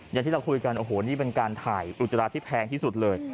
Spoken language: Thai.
อย่างที่เราคุยกันโอ้โหนี่เป็นการถ่ายอุจจาระที่แพงที่สุดเลย